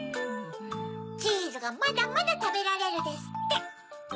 チーズが「まだまだたべられる」ですって。